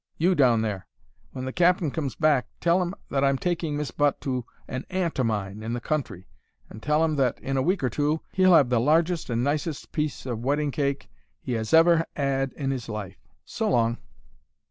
You down there! When the cap'n comes back tell 'im that I'm taking Miss Butt to an aunt o' mine in the country. And tell'im that in a week or two he'll 'ave the largest and nicest piece of wedding cake he 'as ever 'ad in his life. So long!'